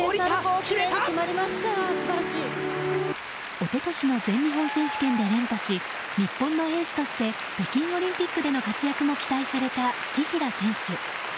一昨年の全日本選手権で連覇し日本のエースとして北京オリンピックでの活躍も期待された紀平選手。